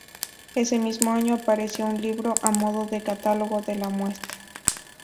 Ese mismo año apareció un libro a modo de catálogo de la muestra.